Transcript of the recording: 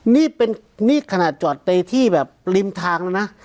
นี่ขนาดจอดในที่แบบริมทางแล้วนะ